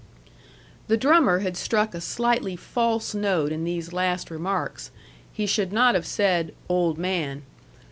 The drummer had struck a slightly false note in these last remarks. He should not have said "old man."